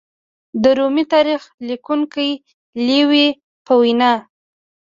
د رومي تاریخ لیکونکي لېوي په وینا